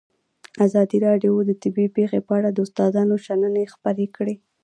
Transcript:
ازادي راډیو د طبیعي پېښې په اړه د استادانو شننې خپرې کړي.